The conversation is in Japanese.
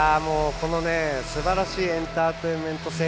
このすばらしいエンターテインメント性